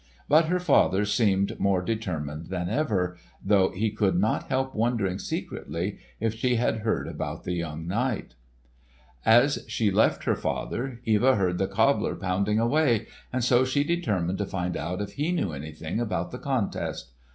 But her father seemed more determined than ever, though he could not help wondering secretly, if she had heard about the young knight. As she left her father, Eva heard the cobbler pounding away, and so she determined to find out if he knew anything about the contest.